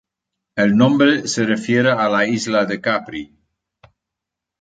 El nombre se refiere a la Isla de Capri.